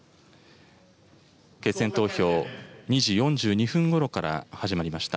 決選投票、２時４２分ごろから始まりました。